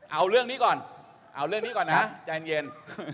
เอาเรื่องนี้ก่อนใจเย็น